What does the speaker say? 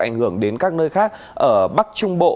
ảnh hưởng đến các nơi khác ở bắc trung bộ